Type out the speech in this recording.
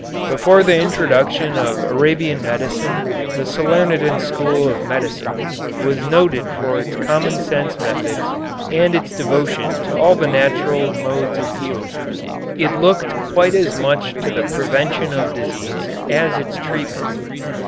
Before the introduction of Arabian medicine the Salernitan school of medicine was noted for its common sense methods and its devotion to all the natural modes of healing. It looked quite as much to the prevention of disease as its treatment.